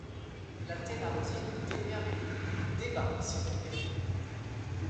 La Thénardier daigna répondre: — Des bas, s’il vous plaît.